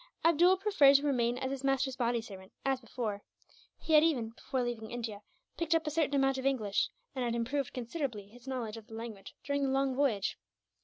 Abdool preferred to remain as his master's body servant, as before. He had even, before leaving India, picked up a certain amount of English; and had improved considerably his knowledge of the language during the long voyage.